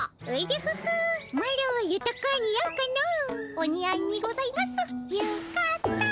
おに合いにございますゆかた。